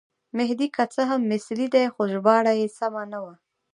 مهدي که څه هم مصری دی خو ژباړه یې سمه نه وه.